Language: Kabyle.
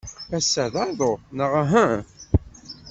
Ass-a d aḍu, neɣ uhu?